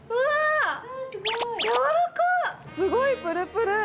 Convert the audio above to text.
すごいプルプル。